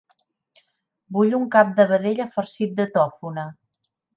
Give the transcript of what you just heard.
Vull un cap de vedella farcit de tòfona.